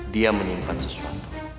dia menyimpan sesuatu